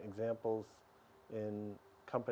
dan saya melihat contohnya